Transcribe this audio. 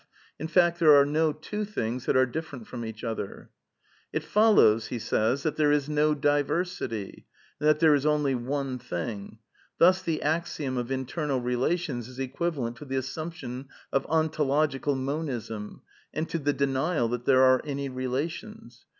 In fact, there are no two things that are different from each other. " It follows that there is no diversity and that there is onl;^ one thing. Thus the axiom of internal relations is equivalent to the assiunption of ontological Monism and to the denial that there are any relations.